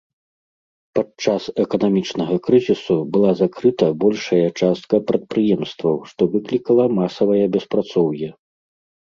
Падчас эканамічнага крызісу была закрыта большая частка прадпрыемстваў, што выклікала масавае беспрацоўе.